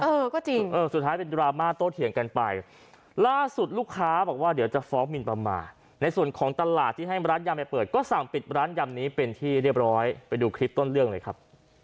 เออก็จริงเออสุดท้ายเป็นดราม่าโต้เถียงกันไปล่าสุดลูกค้าบอกว่าเดี๋ยวจะฟ้องมินประมาทในส่วนของตลาดที่ให้ร้านยำไปเปิดก็สั่งปิดร้านยำนี้เป็นที่เรียบร้อยไปดูคลิปต้นเรื่องเลยครับ